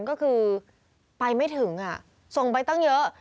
ก็คือไปไม่ถึงส่งไปตั้งเยอะ